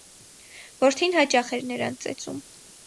Որդին հաճախ էր նրան ծեծում։